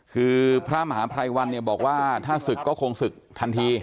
คือพระมหาภัยวันเนี่ยบอกว่าถ้าศึกก็คงศึกทันที